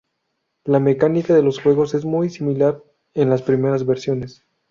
La mecánica de los juegos es muy similar en las primeras versiones.